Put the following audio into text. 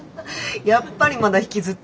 やっぱりまだ引きずってるんや。